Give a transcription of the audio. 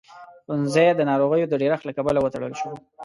ښوونځی د ناروغيو د ډېرښت له کبله وتړل شو.